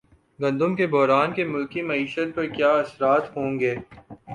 گندم کے بحران کے ملکی معیشت پر کیا اثرات ہوں گے